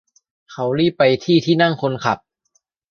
เขารีบไปที่ที่นั่งคนขับ